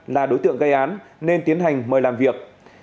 là đối tượng gây án nên tiến hành mời làm việc